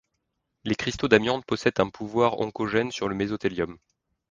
Les cristaux d'amiante possèdent un pouvoir oncogène sur le mésothélium.